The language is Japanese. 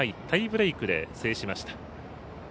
タイブレークで制しました。